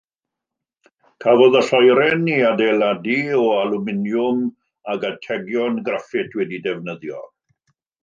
Cafodd y lloeren ei hadeiladu o alwminiwm ac ategion graffit wedi'u defnyddio.